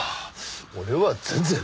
俺は全然。